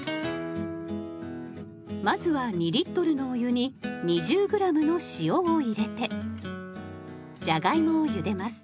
まずは２のお湯に２０ｇの塩を入れてじゃがいもをゆでます。